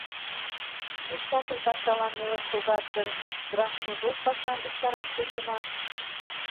Спектакль пашалан мелын шогат гын, драмкружок пашам виктараш тӧчыман.